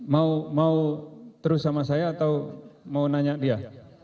mau terus sama saya atau mau nanya dia